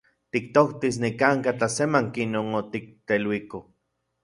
Tiktoktis nikan’ka tlasemanki non otikteluiko.